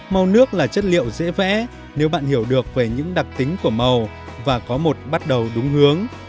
màu nước là chất liệu dễ vẽ nếu bạn hiểu được về những đặc tính của màu và có một bắt đầu đúng hướng